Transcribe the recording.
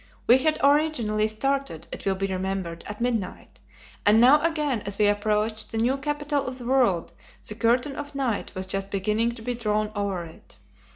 We had originally started, it will be remembered, at midnight, and now again as we approached the new capital of the world the curtain of night was just beginning to be drawn over it.